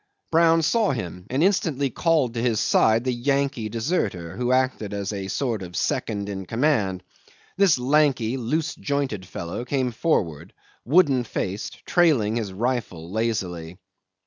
Brown saw him, and instantly called to his side the Yankee deserter, who acted as a sort of second in command. This lanky, loose jointed fellow came forward, wooden faced, trailing his rifle lazily.